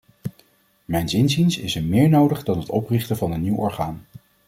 Mijns inziens is er meer nodig dan het oprichten van een nieuw orgaan.